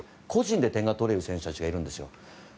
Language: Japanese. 個人で点が取れる選手たちがいるんです。